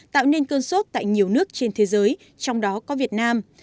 tạo nên cơn sốt tại nhiều nước trên thế giới trong đó có việt nam